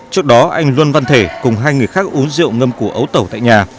trước đó anh luân văn thể cùng hai người khác uống rượu ngâm củ ấu tẩu tại nhà